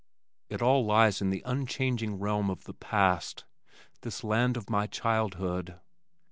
It all lies in the unchanging realm of the past this land of my childhood.